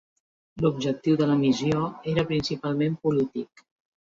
L'objectiu de la missió era principalment polític.